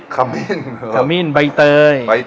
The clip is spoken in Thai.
ขมิ้นใบเตย